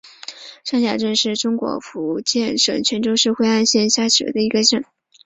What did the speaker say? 山霞镇是中国福建省泉州市惠安县下辖的一个镇。